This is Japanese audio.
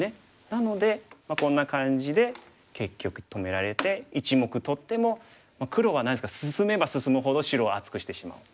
なのでこんな感じで結局止められて１目取っても黒は何ですか進めば進むほど白を厚くしてしまう。